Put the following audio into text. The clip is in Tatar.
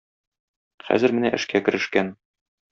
Хәзер менә эшкә керешкән.